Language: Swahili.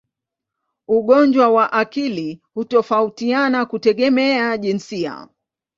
Ugonjwa wa akili hutofautiana kutegemea jinsia.